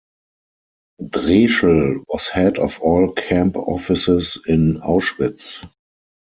Dreschel was head of all camp offices in Auschwitz.